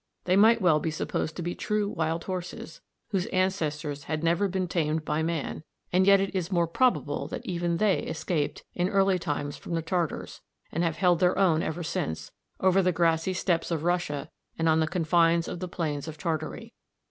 They might well be supposed to be true wild horses, whose ancestors had never been tamed by man; and yet it is more probable that even they escaped in early times from the Tartars, and have held their own ever since, over the grassy steppes of Russia and on the confines of the plains of Tartary.